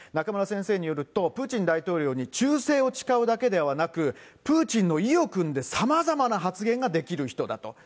中村先生によると、プーチン大統領に忠誠を誓うだけではなく、プーチンの意をくんでさまざまな発言ができる人だと。